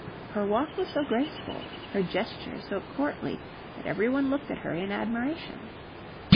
Her walk was so graceful, her gestures so courtly, that every one looked at her in admiration.